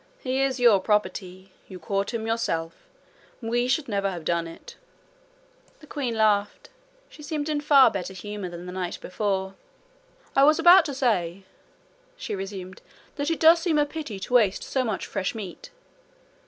'He is your property. You caught him yourself. We should never have done it.' The queen laughed. She seemed in far better humour than the night before. 'I was about to say,' she resumed, 'that it does seem a pity to waste so much fresh meat.'